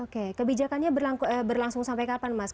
oke kebijakannya berlangsung sampai kapan mas